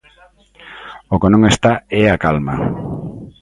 O que non está é a calma.